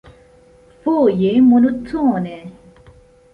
Foje monotone.